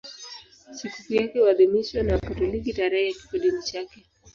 Sikukuu yake huadhimishwa na Wakatoliki tarehe ya kifodini chake.